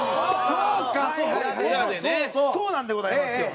そうなんでございますよ。